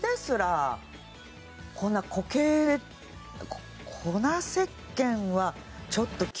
こんな固形粉せっけんはちょっと。